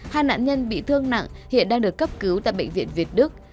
hai nạn nhân bị thương nặng hiện đang được cấp cứu tại bệnh viện việt đức